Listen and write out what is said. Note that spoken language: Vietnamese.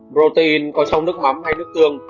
protein có trong nước mắm hay nước tương